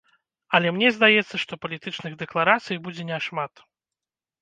Але мне здаецца, што палітычных дэкларацый будзе няшмат.